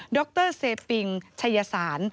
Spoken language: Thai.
ดรเซปิงชัยศาล